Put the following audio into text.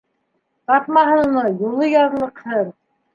Тапмаһын уны, юлы яҙлыҡһын...